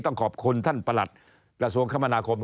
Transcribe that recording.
ต้องขอบคุณท่านประหลัดกระทรวงคมนาคม